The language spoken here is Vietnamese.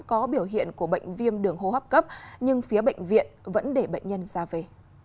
có biểu hiện của bệnh viêm đường hô hấp cấp nhưng phía bệnh viện vẫn để bệnh nhân ra về